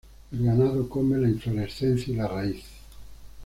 El ganado come la inflorescencia y la raíz.